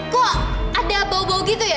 kok ada bau bau gitu ya